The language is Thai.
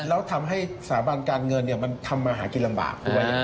แล้วทำให้สถาบันการเงินมันทำมาหากินลำบากด้วย